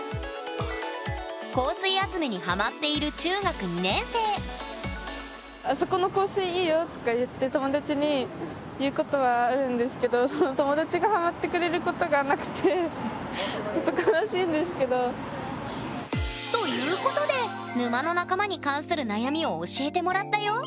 香水集めにハマっている中学２年生「あそこの香水いいよ」とか言ってその友達がということで沼の仲間に関する悩みを教えてもらったよ！